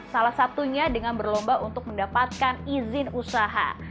salah satunya dengan berlomba untuk mendapatkan izin usaha